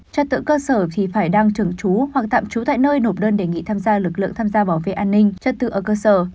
trật tự cơ sở thì phải đang trường trú hoặc tạm trú tại nơi nộp đơn đề nghị tham gia lực lượng tham gia bảo vệ an ninh trật tự ở cơ sở